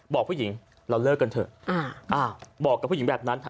บอกผู้หญิงเราเลิกกันเถอะบอกกับผู้หญิงแบบนั้นเถ